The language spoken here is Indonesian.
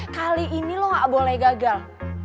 kali ini lo gak boleh gagal